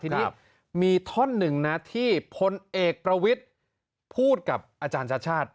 ทีนี้มีท่อนหนึ่งนะที่พลเอกประวิทธิ์พูดกับอาจารย์ชาติชาติ